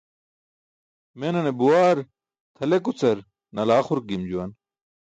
Menane buwaar tʰalekucar nalaa xurk gim juwan.